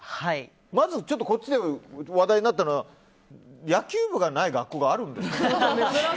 まず、こっちで話題になったのは野球部がない学校があるんですね。